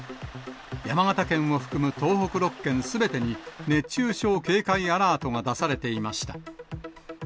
山形県を含む東北６県すべてに、熱中症警戒アラートが出されていました。